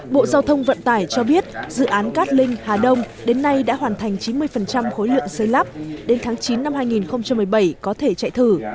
bộ giao thông vận tải cho biết dự án cát linh hà đông đến nay đã hoàn thành chín mươi khối lượng xây lắp đến tháng chín năm hai nghìn một mươi bảy có thể chạy thử